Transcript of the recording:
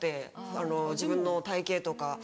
あの自分の体形とか。